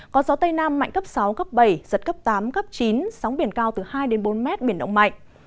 có gió tây nam mạnh cấp sáu cấp bảy giật cấp tám cấp chín sóng biển cao từ hai đến bốn mét biển động mạnh